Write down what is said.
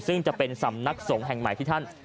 ซึ่งจะเป็นสำนักสงฆ์แห่งใหม่ที่ท่าน